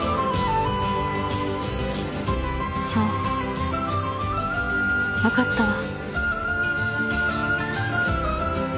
そう分かったわ。